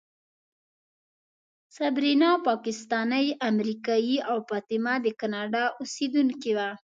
صبرینا پاکستانۍ امریکایۍ او فاطمه د کاناډا اوسېدونکې وه.